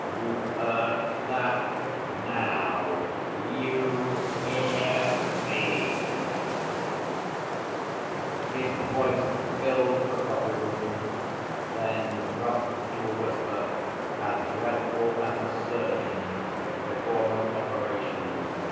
You heard that?... Now, you hear me!' His voice filled the coffee room, then dropped to a whisper as dreadful as a surgeon's before an operation.